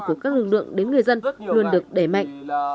của các lực lượng đến người dân luôn được đẩy mạnh